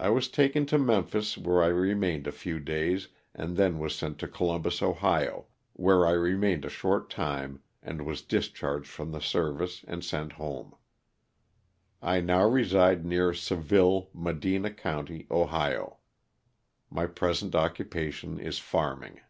I was taken to Memphis where I remained a few days and then was sent to Columbus, Ohio, where I remained a short time and was discharged from the service and sent home. I now reside near Seville, Medina county, Ohio. My present occupation is farming.